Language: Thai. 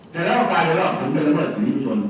สัยและประการอย่อก็ถึงเป็นลักษณ์ทัพสิทธิปัชชน